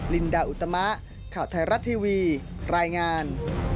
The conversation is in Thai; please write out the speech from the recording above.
ลินดาอุตมะข่าวไทยรัฐทีวีรายงาน